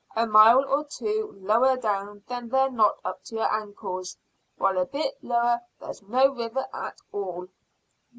A mile or two lower down they're not up to your ankles, while a bit lower there's no river at all."